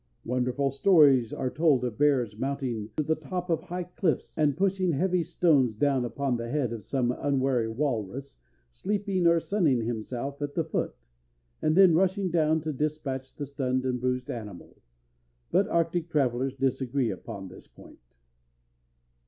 Wonderful stories are told of bears mounting to the top of high cliffs and pushing heavy stones down upon the head of some unwary walrus sleeping or sunning himself at the foot, and then rushing down to dispatch the stunned and bruised animal, but arctic travellers disagree upon this point.